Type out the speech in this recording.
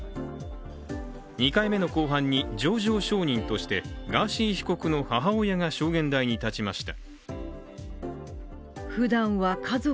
２回目の公判に情状証人としてガーシー被告の母親が証言台に立ちました。